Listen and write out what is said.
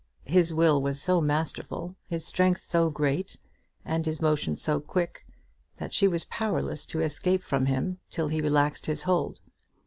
His will was so masterful, his strength so great, and his motion so quick, that she was powerless to escape from him till he relaxed his hold.